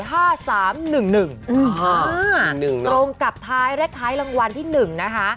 ตรงกับท้ายเลขท้ายรางวัลที่๑นะคะ